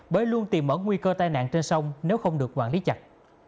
bởi luôn tìm mở nguy cơ tai nạn trên sông nếu không được quản lý chặt